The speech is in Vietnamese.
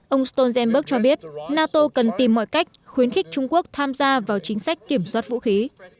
ông stoltenberg cho biết nato cần tìm mọi cách khuyến khích trung quốc tham gia vào chính sách kiểm soát vũ khí